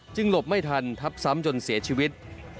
หลบไม่ทันทับซ้ำจนเสียชีวิต